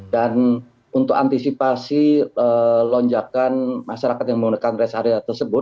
dan untuk antisipasi lonjakan masyarakat yang menggunakan res area tersebut